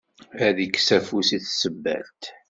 Ad ikkes afus i tsebbalt.